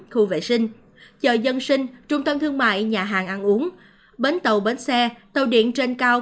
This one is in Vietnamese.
khu vệ sinh chợ dân sinh trung tâm thương mại nhà hàng ăn uống bến tàu bến xe tàu điện trên cao